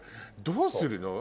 どうするの？